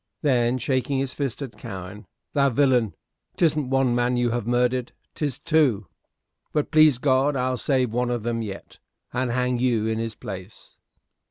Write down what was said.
Then, shaking his fist at Cowen, "Thou villain! 'Tisn't one man you have murdered, 'tis two. But please God I'll save one of them yet, and hang you in his place.